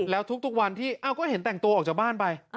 แล้วทุกวันที่ก็เห็นแต่งตัวออกจากบ้านไป